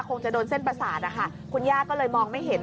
คงจะโดนเส้นประสาทนะคะคุณย่าก็เลยมองไม่เห็น